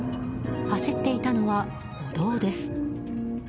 走っていたのは歩道です。